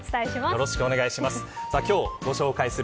よろしくお願いします。